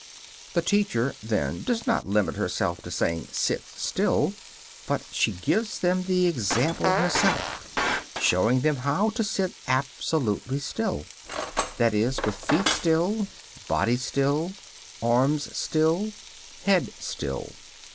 The teacher, then, does not limit herself to saying, "Sit still," but she gives them the example herself, showing them how to sit absolutely still; that is, with feet still, body still, arms still, head still.